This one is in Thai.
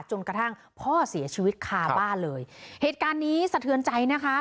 จนกระทั่งพ่อเสียชีวิตคาบ้านเลยเหตุการณ์นี้สะเทือนใจนะคะ